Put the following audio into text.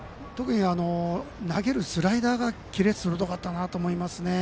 特に投げるスライダーがキレが鋭かったなと思います。